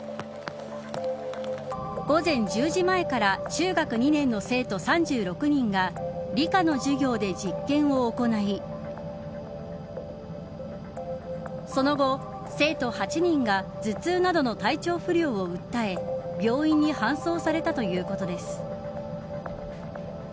午前１０時前から中学２年の生徒３６人が理科の授業で実験を行いその後、生徒８人が頭痛などの体調不良を訴え病院に搬送されたということです。